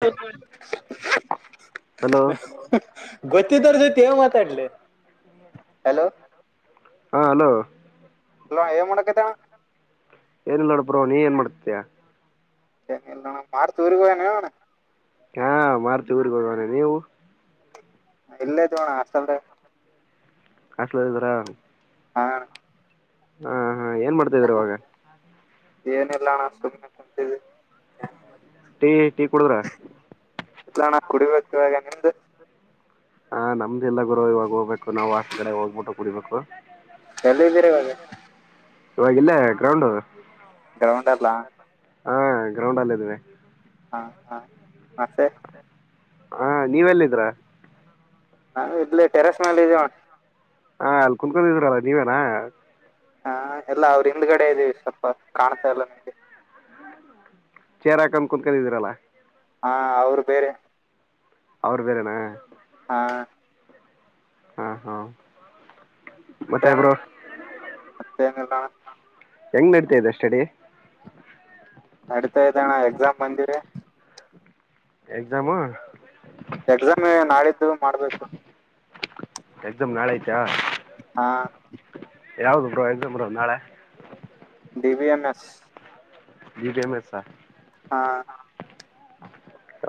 ಹೌದ ಗೊತ್ತಿದವರ ಜೊತೆ ಎನ್ ಮಾತಾಡಲಿ ಹಲೋ ಹಾ ಹಲೋ ಹಲೋ ಏನ್ ಮಾಡಕತ್ತಿಯನ್ನ ಏನಿಲ್ಲ ನೋಡ ಬ್ರೋ ನೀ ಏನ್ ಮಾಡ್ತತಿಯ ಇಲ್ಲಾ ಅಣ್ಣ ಮಾರುತಿ ಊರಿಗ ಹೋಗ್ಯಾನ್ ಏನ್ ಅಣ್ಣ ಹಾ ಮಾರುತಿ ಉರಿಗೆ ಹೋಗ್ಯಾನ್ ನೀವು ಇಲ್ಲೇದ ಅಣ್ಣ ಹಾಸ್ಟೆಲ್ ಲೆ ಹಾಸ್ಟೆಲ್ ಅಲ್ಲಿ ಇದೀರಾ ಹಾ ಹಾ ಹಾ ಏನ್ ಮಾಡ್ತಿದಿರ ಇವಾಗ ಏನಿಲ್ಲಣ ಸುಮ್ನೆ ಕುಂತಿದಿನಿ ಟೀ ಟೀ ಕುಡುದ್ರ ಇಲ್ಲಣಾ ಕುಡಿಬೇಕ್ ಇವಾಗ ನಿಮ್ದು ಹಾ ನಮ್ದು ಇಲ್ಲ ಗುರು ಇವಾಗ ಹೋಗಬೇಕು ನಾವ್ ಹೊಸಟ್ಲು ಕಡೆ ಹೋಗ್ಬಿಟ್ಟು ಕುಡಿಬೇಕು ಎಲ್ಲಿದ್ದೀರಿ ಇವಾಗ ಇವಾಗಲ್ಲೇ ಗ್ರೌಂಡು ಗ್ರೌಂಡ್ ಅಲ್ಲ ಹಾ ಗ್ರೌಂಡ್ ಅಲ್ ಇದಿನಿ ಹಾ ಹಾ ಮತ್ತೆ ಹಾ ನೀವೆಲ್ಲಿ ಇದ್ದೀರಾ ನಾವು ಇಲ್ಲೆ ಟೆರಸ್ ಮಲ್ ಇದೀವಣ್ಣ ಹಾ ಅಲ್ಲಿ ಕುನ್ಕೊಂಡ್ರಲ್ಲ ನೀವೇನಾ ಹಾ ಎಲ್ಲಾ ಅವ್ರ ಹಿಂದ್ಗಡೆ ಇದ್ದೀವಿ ಸ್ವಲ್ಪ ಕಾಣ್ತಾ ಇಲ್ಲ ನಿಮ್ಗೆ ಚೇರ್ ಹಾಕನ್ ಕುತ್ಕದಿರಲ್ಲ ಹಾ ಅವ್ರ್ ಬೇರೆ ಅವರ್ ಬೇರೇನ ಹಾ ಹಾ ಹಾ ಮತ್ತೆ ಬ್ರೊ ಏನ್ ಇಲ್ಲ ಅಣ್ಣ ಹೆಂಗ್ ನಡೀತಾಯಿದೆ ಸ್ಟಡಿ ನಡೀತಾ ಇದ್ದಣ್ಣ ಎಕ್ಸಾಮ್ ಬಂದಿದೆ ಎಕ್ಸಾಮು ಎಕ್ಸಾಮ್ ನಾಳಿದ್ದು ಮಾಡ್ಬೇಕು ಎಕ್ಸಾಮ್ ನಾಳೆ ಐತಾ ಹಾ ಯಾವ್ದ ಬ್ರೊ ಎಕ್ಸಾಮ್ ಬ್ರೋ ನಾಳೆ D. B. M. S. D. B. M. S. ಹಾ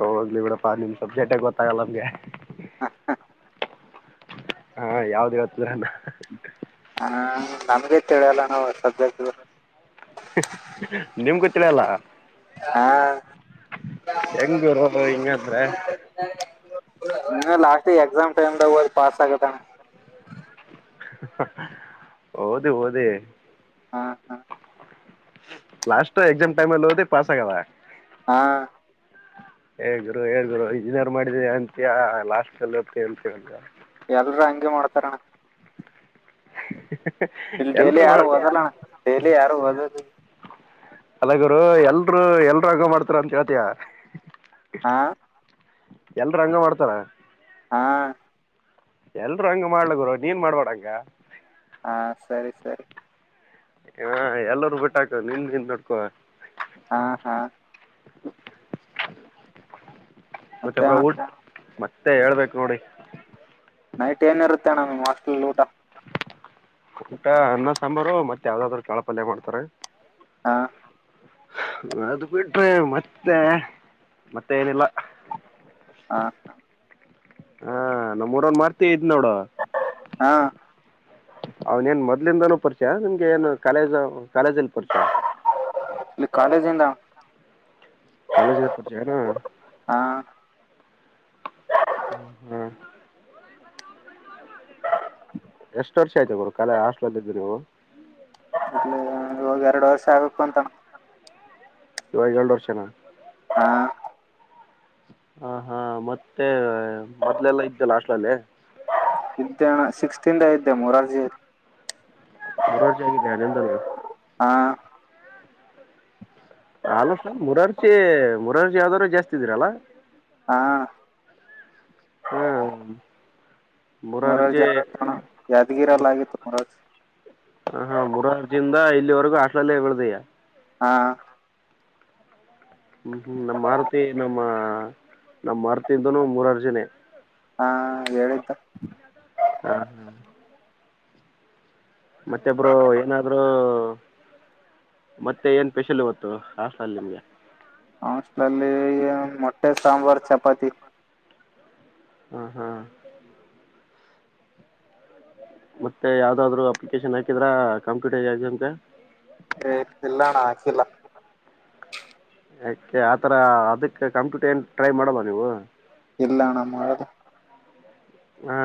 ಹೋಗ್ಲಿ ಬಿಡಪ್ಪಾ ನಿಮ್ ಸಬ್ಜೆಕ್ಟ ಗೊತ್ತಾಗಲ್ಲ ನಮ್ಗೆ ಹಾ ಹಾ ಹಾ ಯಾವ್ದ್ [unintelligible] ಹಾ ನಮ್ಗೆ ತಿಳಿಯಲ್ಲ ನಾವು ಸುಬ್ಜೆಕ್ಟ್ ಗಳು ನಿಮ್ ಗೊತ್ತಿಲ್ಲ ಅಲ್ಲ ಹಾ ಹೆಂಗ್ ಗುರು ಹಿಂಗಂದ್ರೆ ಲಾಸ್ಟ್ ಎಕ್ಸಾಮ್ ಟೈಮ್್ದಾಗ ಹೋದ್ ಪಾಸ್ ಆಗತ್ತಣ ಹೌದು ಹದ ಹಾ ಹಾ ಲಾಸ್ಟ್ ಎಕ್ಸಾಮ್ ಟೈಮ್ ಅಲ್ಲಿ ಹೋದಿ ಪಾಸ್ ಆಗದ ಹಾ ಹೇ ಗುರು ಹೇ ಗುರು ಇಂಜಿನಿಯರ್ ಮಾಡಿದ ಅಂತಿಯ ಲಾಸ್ಟ್ ಅಲ್ಲಿತ್ತ ಹೇಳ್ತೇವಿ ಎಲ್ರು ಹಂಗೆ ಮಾಡ್ತಾರಣ್ಣ ಡೈಲಿ ಎಲ್ರು ಯಾರು ಮಾಡ್ [unintelligible] ಓದಲ್ಲಣ ಡೈಲಿ ಯಾರು ಓದಲ್ಲ ಅಲ್ಲ ಗುರು ಎಲ್ರು ಎಲ್ರಗ ಮಾಡ್ತಾರ ಅಂತ ಹೇಳ್ತಿಯಾ ಹಾ ಯಲ್ರು ಹಂಗ ಮಾಡ್ತಾರಾ ಹಾ ಎಲ್ರು ಹಂಗ ಮಾಡ್ಲಗರು ನೀನ್ ಮಾಡ್ಬಡ ಹಂಗ ಹಾ ಸರಿ ಸರಿ ಹಾ ಎಲ್ಲರೂ ಬಿಟ್ಟಾಕ ನಿನ್ ನಿಿಂದ ನೋಡ್ಕೋ ಹಾ ಹಾ ಮತ್ತೆ ಮತ್ತೆಬ್್ರ ಅಣ್ಣ ಊಟ್ ಮತ್ತೆ ಹೇಳ್ಬೇಕು ನೋಡಿ ನೈಟ್ ಏನ ಇರುತ್ತೆ ನ್ಣ ನಿ್ ಹಾಸ್ಟೆಲ್ ಊಟ ಊಟ ಅನ್ನ ಸಾಂಬಾರು ಮತ್ತ ಯಾವ್ದಾದ್ರರು ಕಾಳಪಲ್ಯ ಮಾಡ್ತಾರೆ ಹಾ ಅದು್ ಬಿಟ್ರಿ ಮತ್ತೆ ಮತ್ತೆ ಏನಿಲ್ಲ ಹಾ ಹ ಹಾ ನಮ್ಮೂರ ಒನ್ ಮಾಡಾರ್್ತವಿ ಇದ್ ನೋಡು ಹಾ ಅವ್ನೇನ್ ಮೊದ್ಲಿಂದಾನೂ ಪರಿಚಯ ನಿಮಗೆ ಏನು ಕಾಲೇಜ ಕಾಲೇಜಲ್ಲಿ ಪರಿಚಯ ಇಲ್ಲಿ ಕಾಲೇಜಿಂದ ಕಾಲೇಜ್ನ ಪಡಚಾರಾ ಹಾ ಹ್ಮ ಎಷ್ಟು ವರ್ಷ ಆಯ್ತ ಗುಡ ಕಲೆ ಹಾಸ್ಟ್ಲಲ್ ಇದ್ದ ನೀವು ಅ ಹೋಗ ಎರಡು ವರ್ಷ ಆಗ್ಬೇಕು ಅಂತ ಯವಾಯಗಲ್ಡೋ ಚನಾ ಹಾ ಹ ಹಾ ಮತ್ತೆ ಮೊದ್ಲೆಲ್ಲ ಇದ್ದಲ್ಲ ಅಷ್ಟಲಲ್ಲೇ ಇದಣ್ಣ ಸಿಕ್ಸ್ಟೀನ್ ಇದ್ದೆ ಮೂರರ್ಜಿ ದನ ಹಿಂದ ನ ಆಲ ಮುರಾರ್ಜಿ ಮುರಾರ್ಜಿ ಯಾವ್ದಾದ್ರು ಜಾಸ್ತ ಇದೀರಲ್ಲ ಹಾ ಹ್ಮ್ ಮರ ಮುರಾರ್ಜಿ ಯಾದಗಿರ ಲಾಗಿೆ ತ ಮಾರ ಹ ಹಾ ಮುರರ್ಜಿಂದ ಇಲ್ಲಿವರೆಗೂ ಹಟ್ಲಲ್ಲೇ ಬೆದಯ ಹಾ ಹ್ಮ್ ಹ್ಮ್ ನಮ್ಮ ಆಾರುತಿ ನಮ್ಮ ನಮಮ್ಮ ಮಾರುತಿದ್ದನು ಮೂರಾರ ಜನೆ ಹಾ ಹೇಳ್ತ ಹ್ಮ್ ಹ್ಮ್ ಮತ್ತೆಬ್ರು ಏನಾದ್ರರು ಹ ಸಲ್ ನಿಮ್ಗೆ ಹಸ್ಲಲ್ಲಿ ಮೊಟ್ಟೆ ಸಾಂಬಾರ್ ಚಪಾತಿ ಹ್ಮ ಹಾ ಮತ್ತೆ ಯಾವ್ದಾದ್ರು ಅಪ್ಲಿಕೇಶನ್ ಹಾಕಿದ್ರಾ ಕಂಪ್ಯೂಟರ್ ಎಕ್ಸಂತ ಎಲ್ಲಣ ಆಾಕಿಲ್ಲ ಯಾಕೆ ಆತರ ಅದಕ್ಕೆ ಕಂಪ್ಯೂಟರ್ ಏನ್ ಟ್ರೈ ಮಾಡಲ್ಲ ನೀವು ಎಲ್ಲಣ್ಣ ಮಾಡದು ಹಾ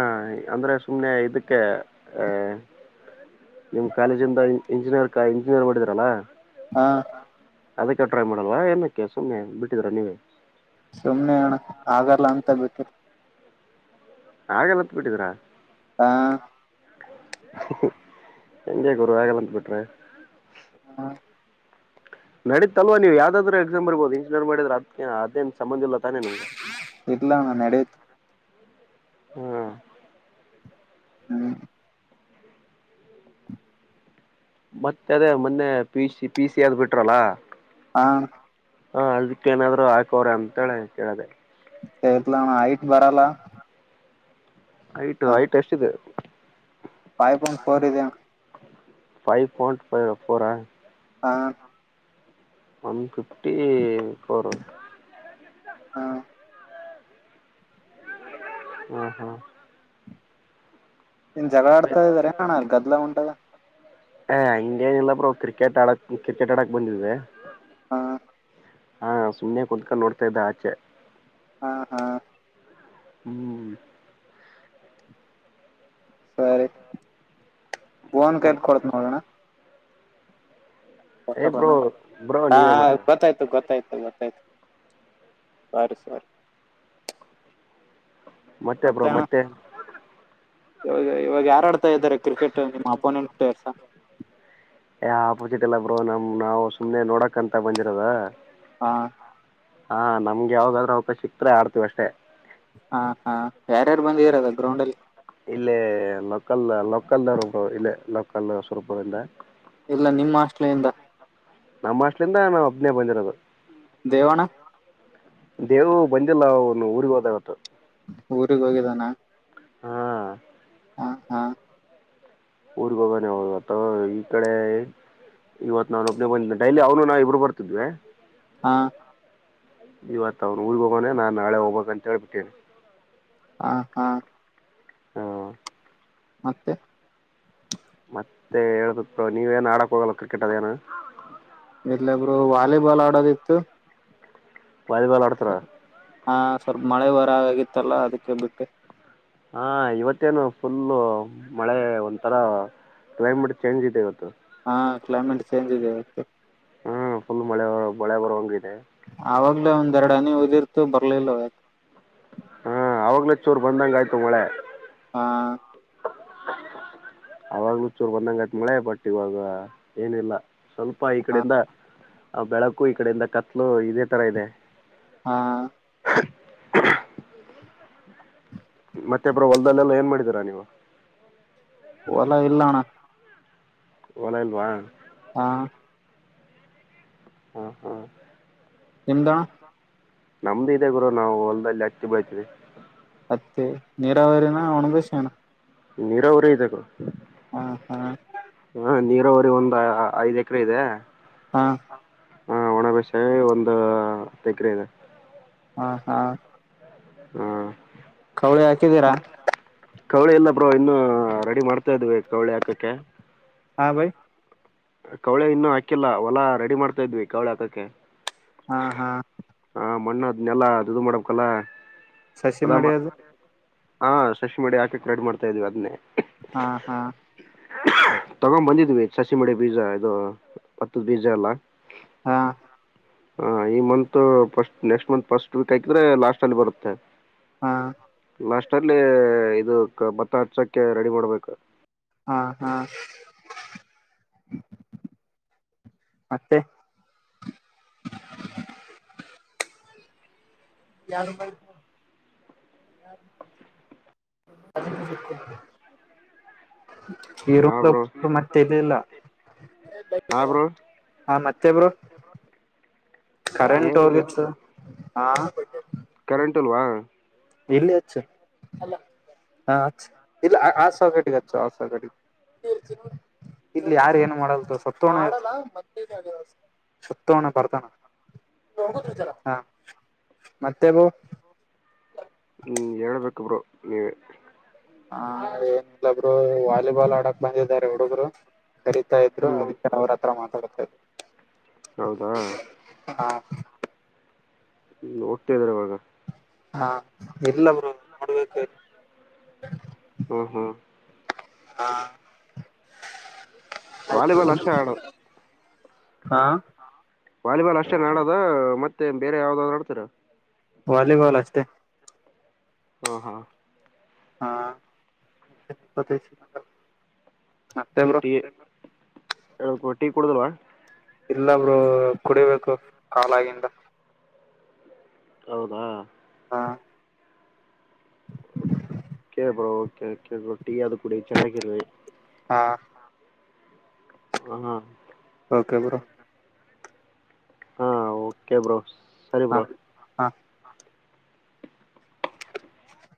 ಅಂದ್ರೆ ಸುಮ್ನೆ ಇದಕ್ಕೆ ಆಹ ನಿಮ್ ಕಾಲೇಜಿಂದ ಇಂಜಿನಿಯರ್ ಇಂಜಿನಿಯರ್ ಮಾಡಿದ್ರಲ್ಲಾ ಹಾ ಅದಕ್ಕೆ ಟ್ರೈ ಮಾಡಲ್ವಾ ಏನಕ್ಕೆ ಸುಮ್ಮನೆ ಬಿಟ್ಟಿದ್ರ ನೀವೇ ಸುಮ್ನೆ ಅಣ್ಣ ಆಗಲ್ಲ ಅಂತ ಬಿಟ್ಟ್ರ ಹಾಗಲ್ಲತ್ ಬಿಿಟ್ಟಿದ್ರಾ ಹಾ ಎಂಗ ಗೂರು ವಗಲಂತ ಬಿಟ್ರ ಹಾ ನಡೀತ್ ಅಲ್ವ ನೀವು ಯಾವ್ದಾದ್ರು ಎಕ್ಸಾಮ್ ಬರ್ಬೋದು ಇಂಜಿನಿಯರ್ ಮಾಡಿದ್ರೆ ಅದಕ್ಕೆ ಅದೇನು ಸಂಬಂಧ ಇಿಲ್ಲ ತಾನೇ ನಿಮ್ಗೆ ಇಲ್ಲ ನಾ ನಡೆಯತ ಹ್ಮ್ ಹ್ಮ ಮತ್ತೆ ಅದೇ ಮೊನ್ನೆ ಪಿ ಸಿ ಪಿ ಸಿ ಆದ್ ಬಿಟ್ರಲ್ಲ ಹಾ ಹ ಅದಕ್ಕ ಏನಾದ್ರು ಹಾಕವ್ರ ಅಂತೇಳ ಕೇಳದೆ ಸೇಲಣ ಹೈಟ್ ಬರಲ್ಲ ಹೈಟ ಅದ್ ಹೈಟ್ ಎಷ್ಟಿದೆ ಫೈವ್ ಪಾಯಿಂಟ್ ಫೋರ್ ಇದ ಫೈವ್ ಪಾಯಿಂಟ್ ಫೋರ್ ಹಾ ಒನ್ಫಿಫ್ಟಿ ಫೋರ್ ಹಾ ಹಾ ಹಾ ನೀನು ಜಗಳ ಆಡ್ತದೆ ಇದ್ದರಣ ಗದ್ಲ ಹೊಂಟದ ಹ ಹಂಗೇನಿಲ್ಲ ಬ್ರೋ ಕ್ರಿಕೆಟ್ ಆಡಕ್ ಕ್ರಿಕೆಟ್ ಆಡಕ್ ಬಂದೆ ಹಾ ಹಾ ಸುಮ್ಮ್ನೆ ಕೂತ್ಕೊಂಡು ನೋಡ್ತಾ ಇದ್ದ ಆಚೆ ಹಾ ಹಾ ಹ್ಮ್ ಸರಿ ಬೋನ್ ಕಲ್ ಮತ್- ಕೊಡತ್ ನೋಡೋಣ ಏ ಬ್ರೋ ಬ್ರೋ ಹಾ ನೀವೇ ಮತ್ತೆ ಗೊತ್ತಾಯ್ತು ಗೊತ್ತಾಯ್ತು ಗೊತ್ತಾಯ್ತು ಸರಿ ಸರಿ ಮತ್ತೆ ಬ್ರೋ ಮತ್ತೆ ಇವಾಗ ಇವಾಗ ಯಾರ ಆಡ್ತಾ ಇದಾರೆ ಕ್ರಿಕೆಟ್ ನಿಮ್ಮ ಅಪೋನೆಂಟ್ ರ್ಸ ಯ ಆಪೋಸಿಟ್ ಎಲ್ಲ ಬ್ರೋ ನಮ್ ನಾವು ಸುಮ್ಮನೆ ನೋಡಕ್ಂತ ಬಂದಿರೋದ ಹಾ ಹಾ ನಮ್ಗೆ ಯಾವ್ದಾದ್ರರು ಅವಪ ಸಿಕ್ತ ಆಡ್ತೀವಿ ಅಷ್ಟೇ ಹಾ ಹಾ ಯಾರ್ಯಾರು ಬಂದಿದೀರದ ಗ್ರೌಂಡ್ಲ್ಲಿ ಇಲ್ಲೇ ಲೋಕಲ್ ಲೋಕಲ್ ಇಲ್ಲ ಲೋಕಲ್ ಸ್ವರಪದಿಂದ ಎಲ್ಲ ನಿಮ್ಮ ಆಶಲೆಯಿಂದ ನಮ್ಮ್ ಅಷ್ಟಲಿಂದ ನಾವು ಅಬ್ನೇ ಬಂದಿರೋದು ದೇವಣ ದೇವು ಬಂದಿಲ್ಲ ಅವನು ಊರ್ರಿಗೆ ಹೋದಾಗತ್ತು ಊರಿಗಾ ಹೋಗಿದ್ದಾನ ಹಾ ಊ ಬಗಾನ ಅಥ ಈ ಕಡೆ ಇವತ್ ನು ಒಬ್ಪ್ನೆ ಬಂದ ಡೈಲಿ ಅವ್ನು ನಾವವು ಇಬ್ರು ಬರ್ತಿದ್ವಿ ಹಾ ಇವತ್ ಅವ್ನು ಊರ್ಗ್ ಹೋಗಾನೆ ನಾನ್ ನಾಳೆ ಹೋಗ್ಬೇಕಕ್ಂತ ಹೇಳ್ಬಿಟ್ಟೇನೆ ಹಾ ಹಾ ಹಾಂ ಮತ್ತೆ ಮತ್ತೆ ಹೇಬೇಕ ನೀವೇಏನ್ ಆಡಕ್ ಹೋಗಲ್ಲ ಕ್ರಿಕೆಟ್ ಅದ ಏನ ಇಲ್ಲಿ ಬ್ರೋ ವಾಲಿಬಾಲ್ ಆಡೋದಿತ್ತು ವಾಲಿ ಬೇಲ್ ಆಡ್ತೀರಾ ಹಾ ಸ್ವಲ್ಪ ಮಳೆ ವರ ಆಗಿತ್ತಲ್ಲ ಅದಕ್ಕೆ ಬಿಟ್ಟು ಹಾ ಇವತ್ತೇನು ಫುಲ್ಲ ಮಳೆ ಒಂಥರ ಕ್ಲೈಮೇಟ್ ಚೇಂಜ ಇತೆಗತ್ತು ಹಾ ಕ್ಲೈಮೇಟ್ ಚೇಂಜ್ ಇದೆ ಹ್ಮ ಫುಲ್ ಮಳೆ ಮಳೆ ಬರುವಂಗದೆ ಆವಾಗ್ಲೇ ಒಂದೆರಡು ಅನಿ ಉದಿರ್ತು ಬರ್ಲಿಲ್ಲ ಯ ಚೋರ್ ಬಂದಂಗ ಆಯ್ತು ಮಳೆ ಹಾ ಅವಾಗಲುೂ ಚೂರು ಒಂದಂಗಟ್ ಮಳೆ ಬಟ್ಟ ಇವಾಗ ಏನಿಲ್ಲ ಸ್ವಲ್ಪ ಈ ಹಾ ಕಡಿಂದ ಆ ಬೆಳಕು ಈ ಕಡಿಂದ ಕತ್ಲು ಇದೆ ತರ ಇದೆ ಹಾ ಮತ್ತೆ ಬ್ರೋ ಹೊಲ್ದಲ್ಲೆಲ್ಲ ಏನ್ ಮಾಡಿದೀರಾ ನೀವು ಹೋಲಿಲ್ಲ ಅಣ್ಣ ಹೊಲ ಇಲ್ವಾ ಹಾ ಹ ಹಾ ನಿಮ್ಡುಣ್ಣ ನಮ್ದು ಇದೇ ಗುರು ನಾವು ಹೊಲದಲ್ಲಿ ಅತ್ತಿ ಬೆಳೀತೀವಿ ಹತ್ತಿ ನೀರಾವರಿನ ಅವನಂದ ಸಣ ನೀರ ಅವರೇ ಇದೆ ಬ್ರೋ ಹಾ ಹಾ ನೀರೋ ಅವರಿಗೆ ಒಂದು ಐದ್ ಎಕರೆ ಇದೆ ಹಾ ಹಾ ಒಣಬಸೆ ಒಂದು ತೆಗ್ರ ಇದೆ ಹಾ ಹಾ ಹ್ ಕೌಳಿ ಹಾಕಿದ್ದೀರಾ ಹಾ ರೆಡಿ ಮಾಡ್ತಾ ಇದ್ವಿ ಕವಳಿ ಹಾಕಕ್ಕೆ ಹಾ ಬೈ ಕವಳೆ ಇನ್ನೂ ಹಾಕಿಲ್ಲ ಹೊಲ ರೆಡಿ ಮಾಡ್ತಾ ಇದ್ವಿ ಕವಳೆ ಹಾಕಕ್ಕೆ ಹಾ ಹಾ ಮಣ್ಣದ್ ನೆಲ್ಲ ಅದು ಇದು ಮಾಡಕಲ್ಲ ಸಸಿ ಮಾಡಿ ಅದು ಹಾ ಸಶಿ ಮಾಡಿ ಹಾಕಕ್ ರಡ್ ಮಾಡ್ತಾ ಇದೀವಿ ಅದ್ೇ ಹಾ ಹಾ ತಗೊಂಡ್ ಬಂದಿದ್ವಿ ಸಸಿ ಮಡಿ ಬೀಜಾ ಇದು ಹತ್ತದ ಬೀಜಾ ಎಲ್ಲ ಹಾ ಹ ಈ month first next month first week ಆಯಿದ್ರೆ ಲಾಸ್ಟ್ ಅಲ್ಲಿ ಬರುತ್ತೆ ಹಾ ಮಲ್ಲಿ ಇ ಮಂತ್ ಹಚ್ಚೋಕ್ಕೆ ರೆಡಿ ಮಾಡ್ಬೇಕ ಹಾ ಹಾ ಮತ್ತೆ ಹ ಈರ ಮತ್ತೇಲ್ಲಲ್ಲ ಹ ಬ್ರೋ ಮತ್ತೆ ಬ್ರೋ ಕರೆಂಟ್ ಹೇಳ್ಬೇಕು ಹೋಗಿತ್ತು ಕರೆಂಟ್ ಅಲ್ವಾ ಇಲ್ಲಿ ಅಚ್ಚು ಹ ಇಲ್ಲಿ ಆ ಸಕಟಿಗೆಚ್ಚು ಆ ಸಿಗೆ ಇತ ಇಲ್ಲಿ ಯಾರ ಏನ್ ಮಾಡಲ್ ಸುತ್ತಣ ಸಂತು ಅಣ್ಣ ಬಂದನಾ ಹ ಮತ್ತೆ ಬ್ರೋ ಹೂ ಹೇಳ್ಬೇಕ ಬ್ರೋ ನೀವೆ ಹ ಏನಿಲ್ಲೊಬ್ರು ವಾಲಿಬಾಲ್ ಆಡಕ್ ಬಂದಿದ್ದಾರೆ ಹುಡುಗರು ಕರೀತಾ ಇದ್ರು ಹ್ಮ್ ಅವ್ರ ಹತ್ರ ಮಾತಾಡ್ತಾ ದೇ ಹೌದಾ ಹ್ಹೂ ಒಟ್ಟೇಾರೆ ಒರ್ಗ ಹಾ ಇಲ್ಲ ಬ್ರೋ ನೋಡ್ಬೇಕ ಹ್ಮ್ ಹ್ಮ್ ಹಾ ಆಯ್ತು ವಾಲಿಬಾಲ್ ಅಷ್ಟಣ ಹಾ ವಾಲಿಬಾಲ್ ಅಷ್ಟೇ ನಡದ ಮತ್ತೆ ಬೇರೆ ಯಾವ್ದಾದ್ರು ನಡ್ತೀರ ವಾಲಿಬಾಲ್ ಅಷ್ಟತೆ ಹಾ ಹಾ ಹಾ ಮತ್ತ ಇ ಪ್ರದೇಶ ಚಿಟ್ಟಿಟ್ಟಿ ಕೂಡದಲವಾ ಇಲ್ಲಬ್ರು ಕುಡಿಬೇಕು ಕಾಲಾಗಿಿಂದ ಹೌದಾ ಹಾ ಕೇಬರ ಟೀ ಅದು ಕುೂಡಿ ಚೆನ್ನಾಗಿ ಹಾ ಹ್ಮ ಓಕೆ ಬರೋ ಹಾ ಓಕೆ ಬ್ರೋ ಸರಿ ಹಾ ಬ್ರೋ ಹಾ